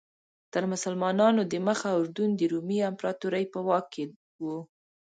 تر مسلمانانو دمخه اردن د رومي امپراتورۍ په واک کې و.